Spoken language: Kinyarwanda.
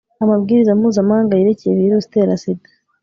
amabwiriza mpuzamahanga yerekeye virusi itera sida